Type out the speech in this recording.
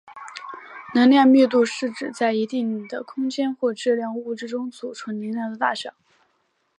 能量密度是指在一定的空间或质量物质中储存能量的大小。